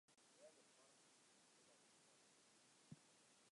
Dêr wurdst warch fan, sa'n middei te squashen.